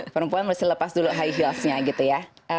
perempuan mesti lepas dulu high heelsnya gitu ya